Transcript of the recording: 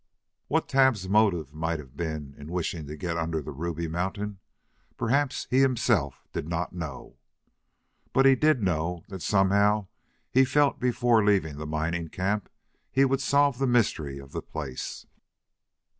What Tad's motive might have been in wishing to get under the Ruby Mountain, perhaps he himself did not know. But he did know that somehow he felt that before leaving the mining camp he would solve the mystery of the place.